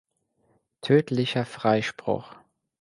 Tödlicher Freispruch.